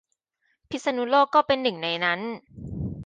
พิษณุโลกก็เป็นหนึ่งในนั้น